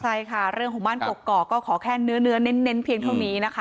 ใช่ค่ะเรื่องของบ้านกกอกก็ขอแค่เนื้อเน้นเพียงเท่านี้นะคะ